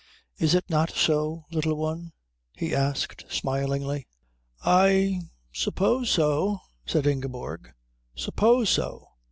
"Is it not so, Little One?" he asked, smiling. "I suppose so," said Ingeborg. "Suppose so!"